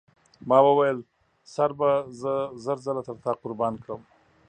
ما وویل سر به زه زر ځله تر تا قربان کړم.